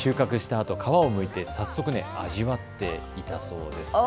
あと皮をむいて早速、味わっていたそうです。